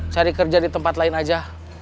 cari kerja di tempat lain aja